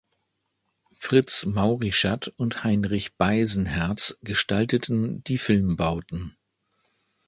Fritz Maurischat und Heinrich Beisenherz gestalteten die Filmbauten.